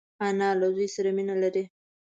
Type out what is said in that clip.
انا له زوی سره مینه لري